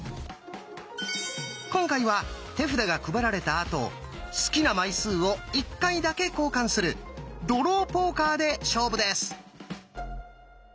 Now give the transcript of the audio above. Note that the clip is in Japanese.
今回は手札が配られたあと好きな枚数を１回だけ交換する「ドローポーカー」で勝負です。